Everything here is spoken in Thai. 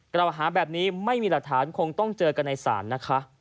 กล่าวหาแบบนี้ไม่มีหลักฐานคงต้องเจอกันในศาลนะคะ